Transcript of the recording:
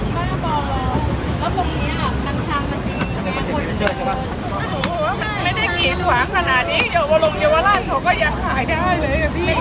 ไม่ได้กี่สวางขนาดนี้เดี๋ยวลงเยาวราชเขาก็ยังขายได้เลย